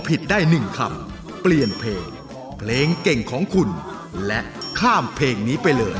ผิดได้หนึ่งคำเปลี่ยนเพลงเพลงเก่งของคุณและข้ามเพลงนี้ไปเลย